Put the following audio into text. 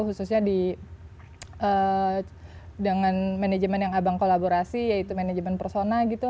khususnya dengan manajemen yang abang kolaborasi yaitu manajemen persona gitu